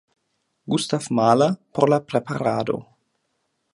Gustav Mahler por la preparado.